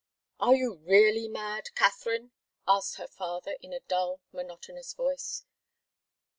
"Are you really mad, Katharine?" asked her father, in a dull, monotonous voice.